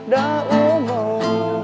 đã ú màu